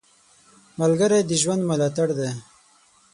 ملګری د ژوند ملاتړ دی